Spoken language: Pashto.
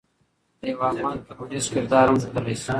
د يوافغان کميونسټ کردار هم ښودلے شي.